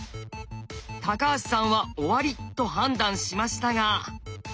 橋さんは「終わり」と判断しましたが。